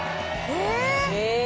えっ！